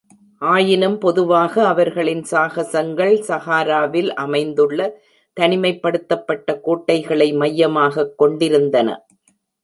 ஆயினும் பொதுவாக அவர்களின் சாகசங்கள் சஹாராவில் அமைந்துள்ள தனிமைப்படுத்தப்பட்ட கோட்டைகளை மையமாகக் கொண்டிருந்தன.